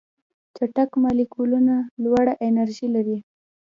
چټک مالیکولونه لوړه انرژي لري.